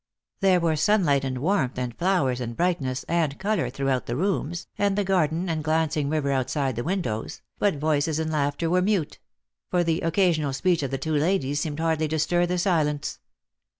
There were sunlight and warmth and flowers and brightness and colour throughout the rooms, and the garden and glancing river outside the windows, but voices and laughter were mute ; for the occasional speech of thi two ladies seemed hardly to stir the silence.